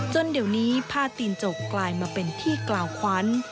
จนเดี๋ยวนี้ผ้าตีนจกกลายมาเป็นที่กล่าวขวัญ